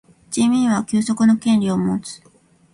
人民は休息の権利をもつ。